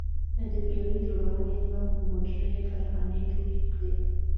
د بېړۍ جوړونې دوه موډرنې کارخانې جوړې کړې.